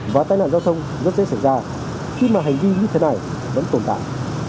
và tai nạn giao thông rất dễ xảy ra khi mà hành vi như thế này vẫn tồn tại